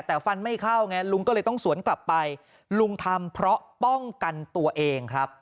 แต่ฟันไม่เข้าไงลุงก็เลยต้องสวนกลับไปลุงทำเพราะป้องกันตัวเองครับ